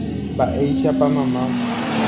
Mba'éichapa mamá